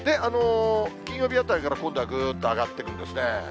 金曜日あたりから、今度はぐっと上がってくるんですね。